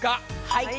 はい。